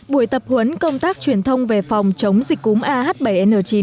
buổi tập huấn công tác truyền thông về phòng chống dịch cúm ah bảy n chín